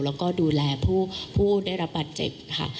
แล้วก็ดูแลผู้ได้รับปัจจกค่ะ